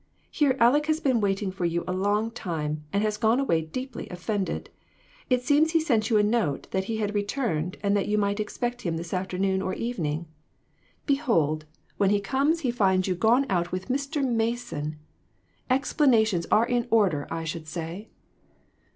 Here Aleck has been waiting for you a long time, and has gone away deeply offended. It seems he sent you a note that he had returned and that you might expect him this afternoon or evening. 380 A MODERN MARTYR. Behold, when he comes he finds you gone out with Mr. Mason ! Explanations are in order, I should say."